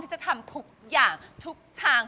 จะทำทุกอย่างทุกทาง